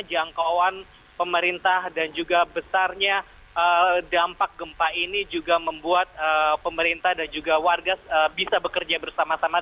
jangkauan pemerintah dan juga besarnya dampak gempa ini juga membuat pemerintah dan juga warga bisa bekerja bersama sama